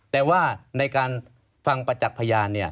แต่ว่าในการฟังประจักษ์พยาน